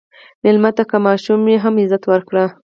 مېلمه ته که ماشوم وي، هم عزت ورکړه.